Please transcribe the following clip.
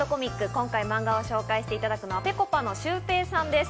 今回マンガを紹介していただくのはぺこぱのシュウペイさんです。